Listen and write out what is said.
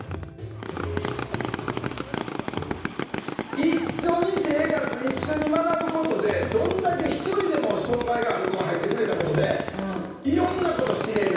一緒に生活一緒に学ぶことでどんだけ一人でも障害がある子が入ってくれたことでいろんなこと知れる。